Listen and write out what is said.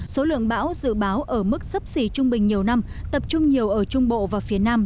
số lượng bão dự báo ở mức sấp xỉ trung bình nhiều năm tập trung nhiều ở trung bộ và phía nam